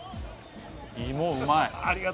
芋、うまい。